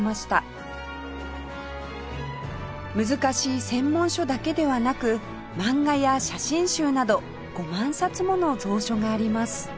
難しい専門書だけではなく漫画や写真集など５万冊もの蔵書があります